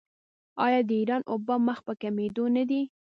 آیا د ایران اوبه مخ په کمیدو نه دي؟